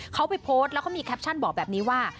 เขาไปโพสต์แล้วก็มีแคปชั่นบอกแบบนี้ว่า